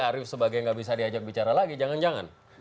bukan andi aryo sebagai yang nggak bisa diajak bicara lagi jangan jangan